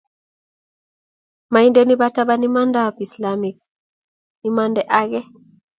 maindeni batan imandab islamik imanda ake